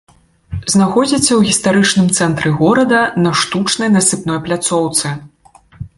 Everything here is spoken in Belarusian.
Знаходзіцца ў гістарычным цэнтры горада, на штучнай насыпной пляцоўцы.